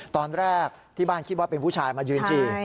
ตอนแรกที่บ้านคิดว่าเป็นผู้ชายมายืนฉี่